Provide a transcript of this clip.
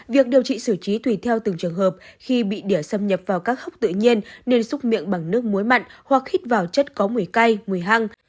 việc điều trị sử trí tùy theo từng trường hợp khi bị đỉa xâm nhập vào các hốc tự nhiên nên xúc miệng bằng nước muối mặn hoặc hít vào chất có mùi cay mùi hăng